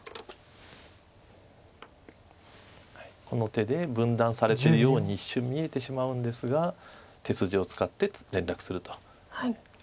この手で分断されてるように一瞬見えてしまうんですが手筋を使って連絡すると。